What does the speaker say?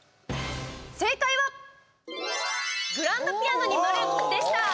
正解はグランドピアノに丸でした。